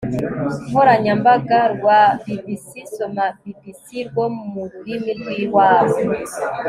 nkoranyambaga rwa bbc (soma bibisi) rwo mu rurimi rw'iwabo